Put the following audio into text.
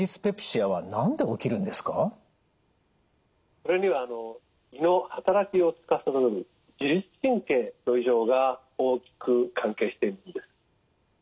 それには胃のはたらきをつかさどる自律神経の異常が大きく関係しているんです。